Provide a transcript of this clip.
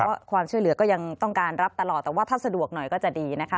เพราะความช่วยเหลือก็ยังต้องการรับตลอดแต่ว่าถ้าสะดวกหน่อยก็จะดีนะคะ